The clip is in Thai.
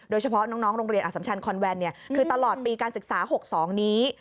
โดยเฉพาะน้องโรงเรียนอสัมชันคอนแวนคือตลอดปีการศึกษา๖๒นี้